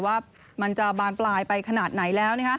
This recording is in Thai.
ว่ามันจะบานปลายไปขนาดไหนแล้ว